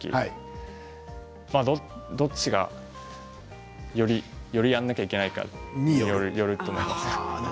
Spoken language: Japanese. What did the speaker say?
どちらがよりやらなきゃいけないかによると思います。